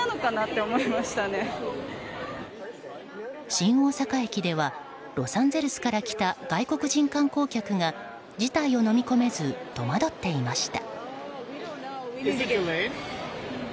新大阪駅ではロサンゼルスから来た外国人観光客が事態をのみ込めず戸惑っていました。